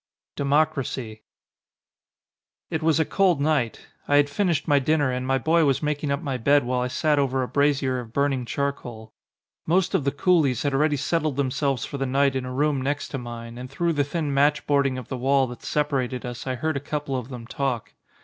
139 XXXVI DEMOCRACY IT was a cold night. I had finished my dinner, and my boy was making up my bed while I sat over a brazier of burning charcoal. Most of the coolies had already settled themselves for the night in a room next to mine and through the thin matchboarding of the wall that separated us I heard a couple of them talk.